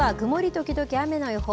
時々雨の予報。